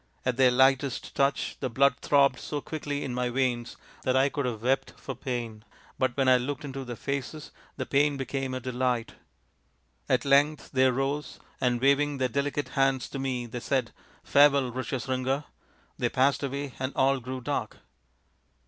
At their lightest touch the blood throbbed so quickly in my veins that I could have wept for pain, but when I looked into their faces the pain became a delight. At length they rose, and, waving their delicate hands to me, they said, " Farewell, Rishyas ringa." They passed away, and all grew dark.